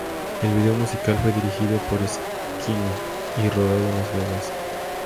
El video musical fue dirigido por Skinny y rodado en Las Vegas.